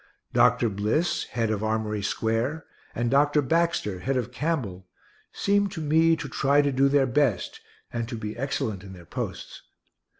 Dr. Bliss, head of Armory square, and Dr. Baxter, head of Campbell, seem to me to try to do their best, and to be excellent in their posts.